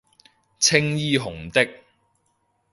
青衣紅的